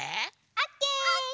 オッケー！